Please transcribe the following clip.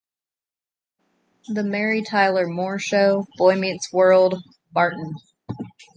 "The Mary Tyler Moore Show", "Boy Meets World", "Martin".